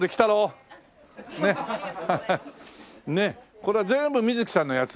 これは全部水木さんのやつ？